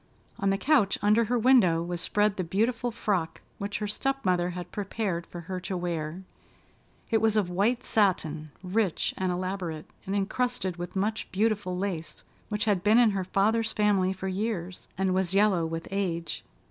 On the couch, under her window was spread the beautiful frock which her step mother had prepared for her to wear. It was of white satin, rich and elaborate, and encrusted with much beautiful lace, which had been in her father's family for years, and was yellow with age.